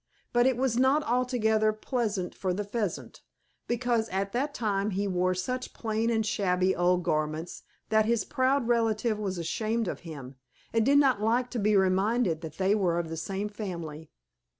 But it was not altogether pleasant for the Pheasant, because at that time he wore such plain and shabby old garments that his proud relative was ashamed of him, and did not like to be reminded that they were of the same family.